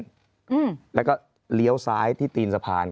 อืมแล้วก็ซ้ายที่ตีนสะพาน